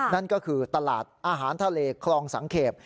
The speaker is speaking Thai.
นั่นก็คือตลาดอาหารทะเลคลองสังเกต